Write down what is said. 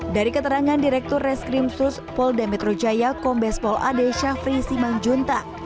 dari keterangan direktur reskrim sus pol demetro jaya kombes pol ade syafri simangjunta